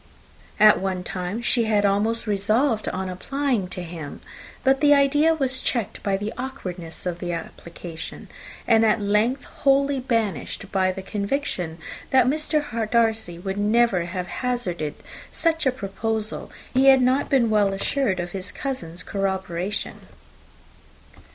At one time she had almost resolved on applying to him, but the idea was checked by the awkwardness of the application, and at length wholly banished by the conviction that Mr. Darcy would never have hazarded such a proposal, if he had not been well assured of his cousin's corroboration.